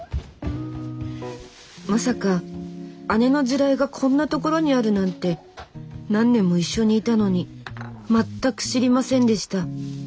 まさか姉の地雷がこんなところにあるなんて何年も一緒にいたのに全く知りませんでした。